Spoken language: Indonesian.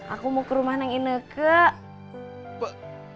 aku mau ke rumah yang ini be